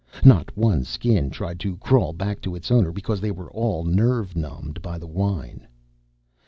Not one Skin tried to crawl back to its owner because they were all nerve numbed by the wine.